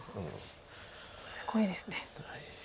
すごいですね。